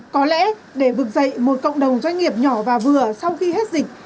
có lẽ để vực dậy một cộng đồng doanh nghiệp nhỏ và vừa sau khi hết dịch